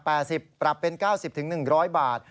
ปรับเป็น๙๐๑๐๐บาท